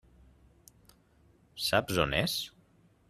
Saps on és?